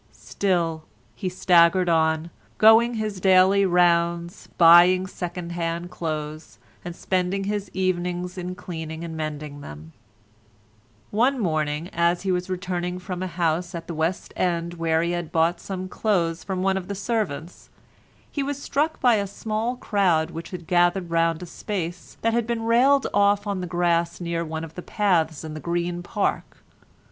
Still he staggered on, going his daily rounds, buying second hand clothes, and spending his evenings in cleaning and mending them. One morning, as he was returning from a house at the West End where he had bought some clothes from one of the servants, he was struck by a small crowd which had gathered round a space that had been railed off on the grass near one of the paths in the Green Park.